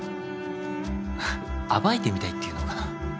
ふふっ暴いてみたいっていうのかな。